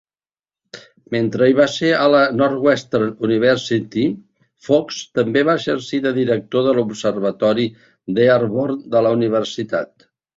Mentre hi va ser a la Northwestern University, Fox també va exercir de director de l'observatori Dearborn de la universitat.